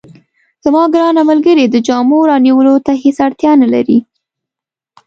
زما ګرانه ملګرې، د جامو رانیولو ته هیڅ اړتیا نه لرې.